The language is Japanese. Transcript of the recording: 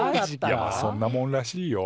いやまあそんなもんらしいよ。